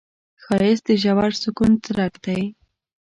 ښایست د ژور سکون څرک دی